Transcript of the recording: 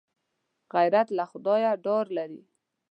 غیرت له خدایه ډار لري